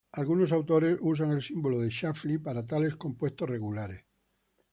Algunos autores usan el símbolo de Schläfli para tales compuestos regulares.